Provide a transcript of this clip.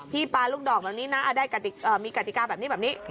ปลาลูกดอกแบบนี้นะได้มีกติกาแบบนี้แบบนี้